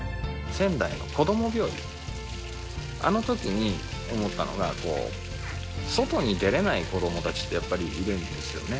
仙台の子ども病院、あのときに思ったのが、外に出れない子どもたちってやっぱりいるんですよね。